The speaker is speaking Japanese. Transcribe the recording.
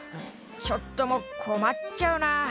「ちょっともう困っちゃうな」